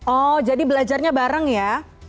oh jadi belajarnya bareng ya